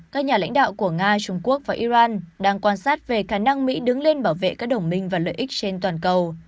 các nhà lãnh đạo của nga trung quốc và iran đang quan sát về khả năng mỹ đứng lên bảo vệ các đồng minh và lợi ích trên toàn cầu